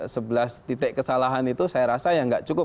sebelas titik kesalahan itu saya rasa ya nggak cukup